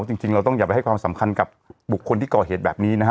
จริงเราต้องอย่าไปให้ความสำคัญกับบุคคลที่ก่อเหตุแบบนี้นะฮะ